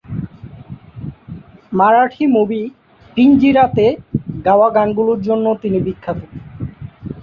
Marathi movie ‘পিঞ্জারা’-তে গাওয়া গানগুলোর জন্যও তিনি বিখ্যাত।